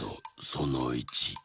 その１。